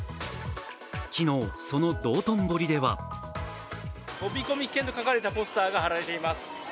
昨日、その道頓堀では飛び込み危険と書かれたポスターが貼られています。